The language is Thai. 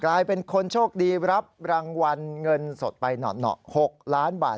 กลายเป็นคนโชคดีรับรางวัลเงินสดไปหน่อ๖ล้านบาท